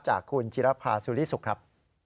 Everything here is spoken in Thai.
จากคุณจิรัพธ์สุริสุรครับ